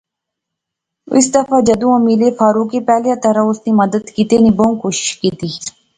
اس دفعہ جدوں او ملے فاروقیں پہلیاں طرح اس نی مدد کیتے نی بہوں کوشش کیتی